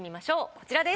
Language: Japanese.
こちらです。